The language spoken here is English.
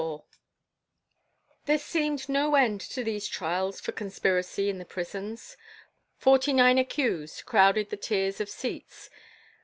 XXIV There seemed no end to these trials for conspiracy in the prisons. Forty nine accused crowded the tiers of seats.